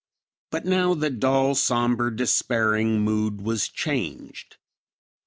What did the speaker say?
But now the dull, sombre, despairing mood was changed.